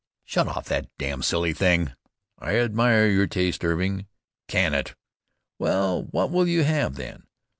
Shut off that damn silly thing!" "I admire your taste, Irving!" "Can it!" "Well, what will you have, then?"